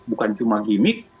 bukan cuma gimmick